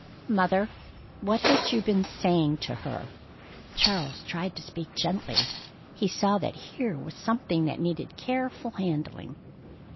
"Mother, what had you been saying to her?" Charles tried to speak gently. He saw that here was something that needed careful handling.